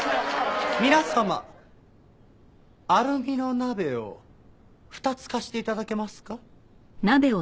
皆様アルミの鍋を２つ貸して頂けますか？